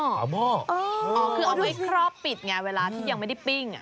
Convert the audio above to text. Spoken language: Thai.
หม้อคือเอาไว้ครอบปิดไงเวลาที่ยังไม่ได้ปิ้ง